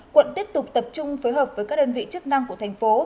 quận tiếp tục tập trung phối hợp với các đơn vị chức năng của thành phố